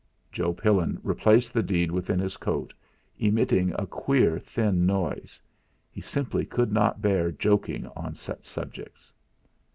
Joe Pillin replaced the deed within his coat, emitting a queer thin noise. He simply could not bear joking on such subjects.